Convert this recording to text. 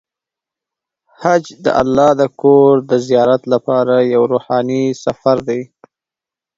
حج د الله د کور د زیارت لپاره یو روحاني سفر دی.